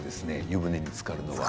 湯船につかるのは。